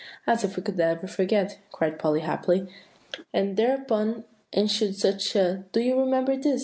"As if we could ever forget," cried Polly happily. And thereupon ensued such a "Do you remember this?"